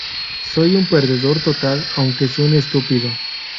Soy un perdedor total, aunque suene estúpido.